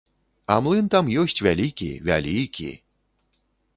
А млын там ёсць вялікі, вялікі!